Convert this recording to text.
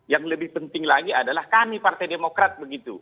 yang lebih penting lagi adalah kami partai demokrat begitu